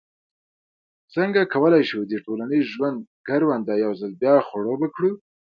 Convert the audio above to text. څنګه کولای شو د ټولنیز ژوند کرونده یو ځل بیا خړوبه کړو.